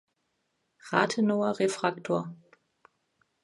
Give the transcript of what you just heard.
Rathenower Refraktor